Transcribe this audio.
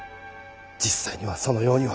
実際にはそのようには。